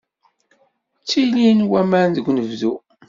Ttilin waman deg unebdu.